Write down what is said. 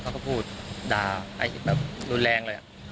เขาก็พูดด่าแบบรุนแรงเลย